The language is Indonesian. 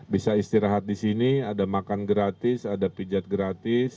bisa istirahat di sini ada makan gratis ada pijat gratis